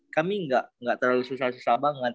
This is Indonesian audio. kami nggak terlalu susah susah banget